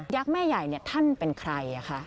ยักษ์แม่ใหญ่นี่ท่านเป็นใครค่ะ